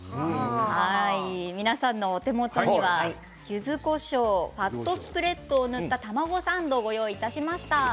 皆さんのお手元にはゆずこしょうファットスプレッドを塗った卵サンドを、ご用意しました。